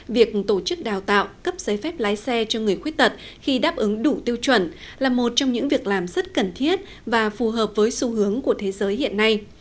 việc tổ chức đào tạo cấp giấy phép lái xe cho người khuyết tật khi đáp ứng đủ tiêu chuẩn là một trong những việc làm rất cần thiết và phù hợp với xu hướng của thế giới hiện nay